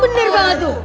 bener banget tuh